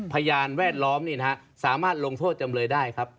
พยานแวดล้อมนี่นะฮะสามารถลงโทษจำเลยได้ครับ